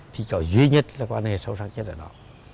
thì có duy nhất là quan hệ xấu xác nhất ở đó